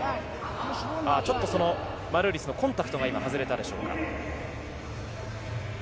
マルーリスのコンタクトが外れたでしょうか？